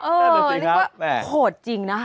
เออนี่ก็โหดจริงนะ